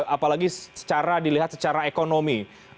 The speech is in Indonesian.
apalagi secara dilihat secara ekonomi